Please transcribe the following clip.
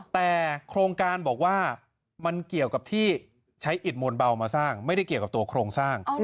แต่โครงการบอกว่ามันเกี่ยวกับที่ใช้อิดมวลเบามาสร้างไม่ได้เกี่ยวกับตัวโครงสร้าง